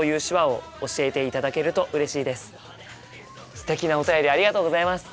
すてきなお便りありがとうございます。